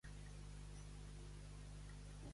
Què ha volgut fer palès Vendrell?